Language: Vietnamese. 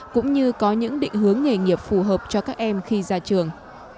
cũng như có những định hướng nghề nghiệp phù hợp cho các em khi ra trường